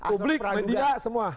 publik mendidak semua